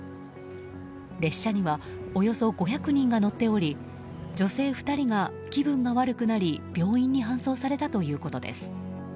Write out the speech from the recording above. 列車にはおよそ５００人が乗っており女性２人が、気分が悪くなり病院に搬送されたということです。